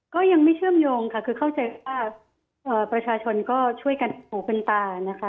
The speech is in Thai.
ก็ยังไม่เชื่อมโยงค่ะคือเข้าใจว่าประชาชนก็ช่วยกันหูเป็นตานะคะ